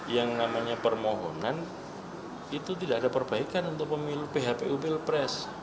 yang namanya permohonan itu tidak ada perbaikan untuk pemilih pihak kpu pilpres